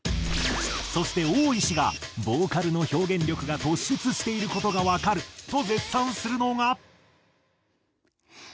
そしてオーイシがボーカルの表現力が突出している事がわかると絶賛するのが。